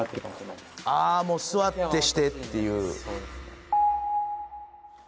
ああもう「座ってして」っていう。